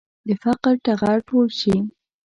د فقر ټغر ټول شي.